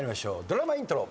ドラマイントロ。